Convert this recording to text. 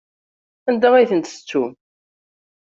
Anda ay tent-tettum?